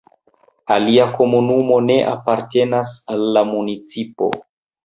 Alia komunumo ne apartenas al la municipo.